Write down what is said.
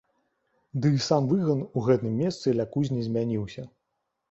Ды і сам выган у гэтым месцы ля кузні змяніўся.